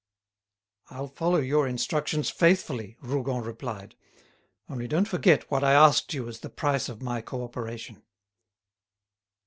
"I'll follow your instructions faithfully," Rougon replied. "Only don't forget what I asked you as the price of my cooperation."